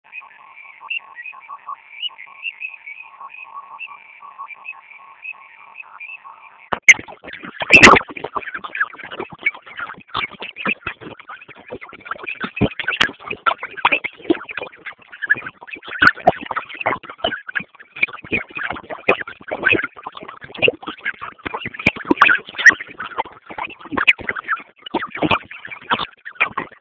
Viazi lishe vinaweza kuokwa